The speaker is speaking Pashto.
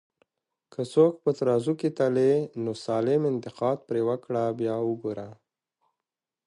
که څوک په ترازو کي تلې، نو سالم انتقاد پرې وکړه بیا وګوره